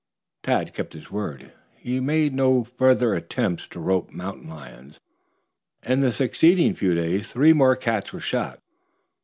Tad kept his word. He made no further attempts to rope mountain lions. In the succeeding few days three more cats were shot.